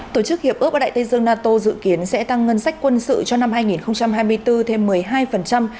tổ chức hiệp ước bắc đại tây dương nato dự kiến sẽ tăng ngân sách quân sự cho năm hai nghìn hai mươi bốn thêm một mươi hai